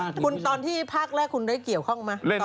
คุณตอนที่ภาคแรกได้เกี่ยวเข้ามา